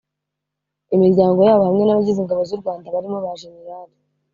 Imiryango yabo hamwe n’abagize Ingabo z’u Rwanda barimo ba Jenerali